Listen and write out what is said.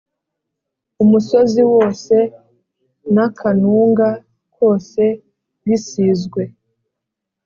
umusozi wose n’akanunga kose bisizwe,